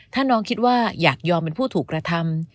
ถ้าน้องคิดว่าอยากยอมเป็นผู้ถูกกระทำ